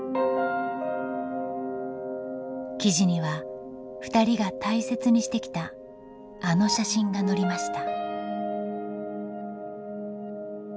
記事にはふたりが大切にしてきたあの写真が載りました。